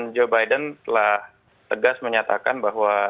dan joe biden telah tegas menyatakan bahwa